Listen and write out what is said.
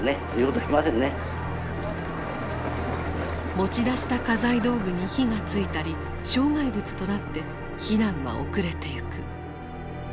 持ち出した家財道具に火がついたり障害物となって避難は遅れていく。